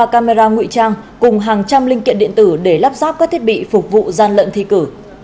ba camera ngụy trang cùng hàng trăm linh linh kiện điện tử để lắp ráp các thiết bị phục vụ gian lận thi cử